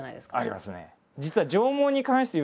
ありますね。